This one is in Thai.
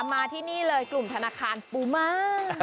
มาที่นี่เลยกลุ่มธนาคารปูมา